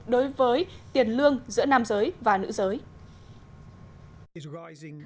đối với tiền lương giữa nam giới và nữ giới